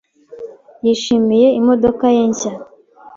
yishimiye imodoka ye nshya.